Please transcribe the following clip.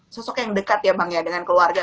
sosok yang dekat ya bang ya dengan keluarga